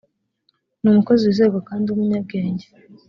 ni umukozi wizerwa kandi w’umunyabwenge